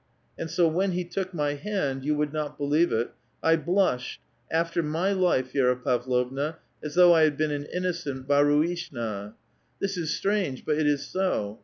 And so when he took my hand — you would not believe it — I blushed, after my life, Vi6ra Pavlovna, as though I had been an innocent haruishna. This is strange, ])nt it is so.